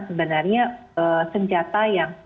sebenarnya senjata yang